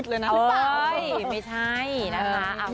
ใช่ป่าวไม่ใช่นะคะ